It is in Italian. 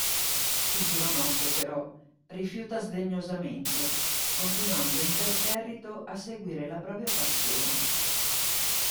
Il giovanotto, però, rifiuta sdegnosamente, continuando imperterrito a seguire la propria passione.